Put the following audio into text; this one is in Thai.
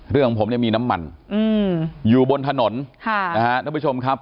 เรื่องของผมนี่มีน้ำมันอยู่บนถนนนะครับนับผู้ชมครับ